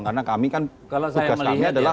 karena kami kan tugas kami adalah